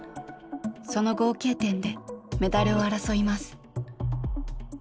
その合計点でメダルを争います。